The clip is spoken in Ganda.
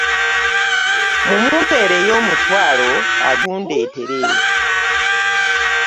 Munpeereyo omutwalo agundeetere.